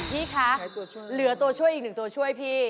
พี่คะเหลือตัวช่วยอีกหนึ่งตัวช่วยพี่